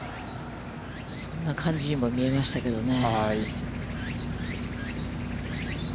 そんな感じにも見えましたけどね。